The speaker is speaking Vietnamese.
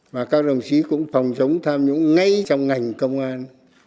và các đồng chí cũng phòng chống tham nhũng ngay trong ngành công an